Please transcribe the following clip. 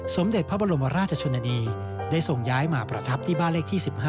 สมเด็จพระบรมราชชนดีได้ส่งย้ายมาประทับที่บ้านเลขที่๑๕